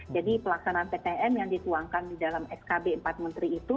jadi pelaksanaan ptm yang dituangkan di dalam skb empat menteri itu